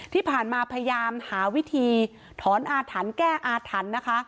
ที่ผ่านมาพยายามหาวิธีถอนอาถรรพ์แก้อาถรรพ์นะคะ